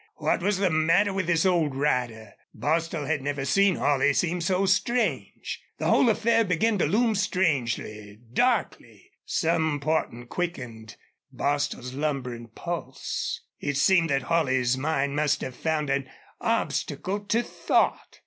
What was the matter with this old rider? Bostil had never seen Holley seem so strange. The whole affair began to loom strangely, darkly. Some portent quickened Bostil's lumbering pulse. It seemed that Holley's mind must have found an obstacle to thought.